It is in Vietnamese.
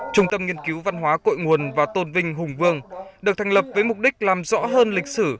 trung tâm nghiên cứu văn hóa cội nguồn và tôn vinh hùng vương được thành lập với mục đích làm rõ hơn lịch sử